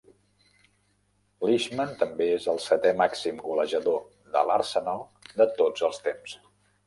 Lishman també és el setè màxim golejador de l'Arsenal de tots els temps.